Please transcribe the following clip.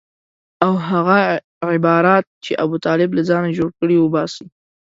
او هغه عبارات چې ابوطالب له ځانه جوړ کړي وباسي.